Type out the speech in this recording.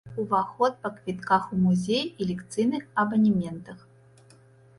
Уваход па квітках у музей і лекцыйных абанементах.